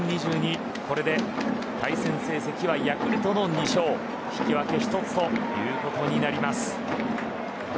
これで対戦成績はヤクルトの２勝引き分け１つということになります。